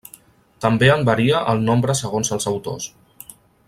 També en varia el nombre segons els autors.